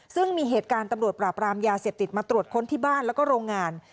ซึ่งมีเหตุการณ์ตำรวจปราบรามยาเสพติดมาตรวจค้นที่บ้านแล้วก็โรงงาน